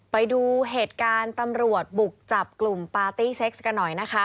ไปดูเหตุการณ์ตำรวจบุกจับกลุ่มปาร์ตี้เซ็กซ์กันหน่อยนะคะ